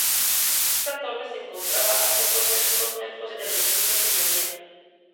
Esta torre se encontraba a pocos metros al norte del recinto señorial.